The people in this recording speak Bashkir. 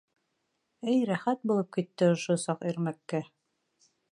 Эй рәхәт булып китте ошо саҡ Ирмәккә.